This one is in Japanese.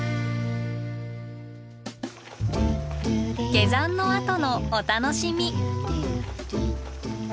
下山のあとのお楽しみ。